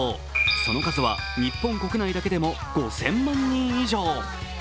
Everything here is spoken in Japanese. その数は日本国内だけでも５０００万人以上。